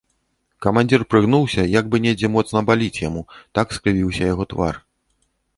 Камандзір прыгнуўся, як бы недзе моцна баліць яму, так скрывіўся яго твар.